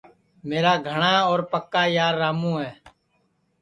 میرا گھٹا اور پکا یارراموں ہے